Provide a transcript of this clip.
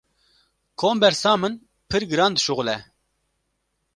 Kombersa min pir giran dişuxile.